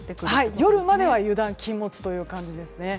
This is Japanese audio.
夜までは油断禁物という感じですね。